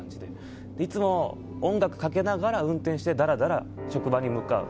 いつも音楽をかけながら運転して、ダラダラ職場に向かう。